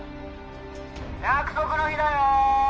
約束の日だよー！